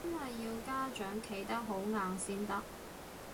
真係要家長企得好硬先得